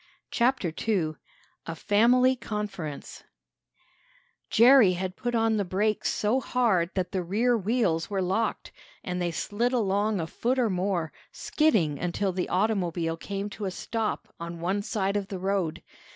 CHAPTER II A FAMILY CONFERENCE Jerry had put on the brakes so hard that the rear wheels were locked, and they slid along a foot or more, skidding until the automobile came to a stop on one side of the road.